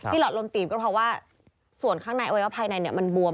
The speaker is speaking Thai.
หลอดลมตีบก็เพราะว่าส่วนข้างในอวัยวะภายในมันบวม